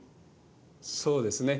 そうですね。